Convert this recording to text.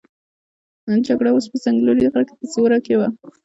جګړه اوس په څنګلوري غره کې په زور کې وه.